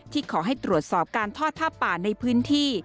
ขอให้ตรวจสอบการทอดผ้าป่าในพื้นที่